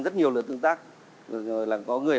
rất nhiều lượt tương tác có người